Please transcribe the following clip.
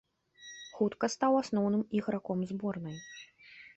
Хутка стаў асноўным іграком зборнай.